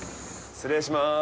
失礼します。